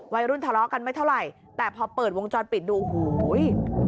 วัยรุ่นทะเลาะกันไม่เท่าไหร่แต่พอเปิดวงจรปิดดูโอ้โห